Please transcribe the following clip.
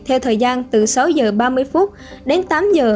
theo thời gian từ sáu h ba mươi đến tám h